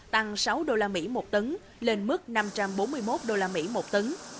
tăng sáu usd một tấn lên mức năm trăm bốn mươi một usd một tấn